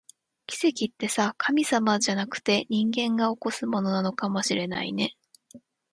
奇跡ってさ、神様じゃなくて、人間が起こすものなのかもしれないね